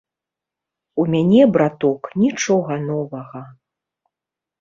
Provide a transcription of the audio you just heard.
У мяне браток нічога новага.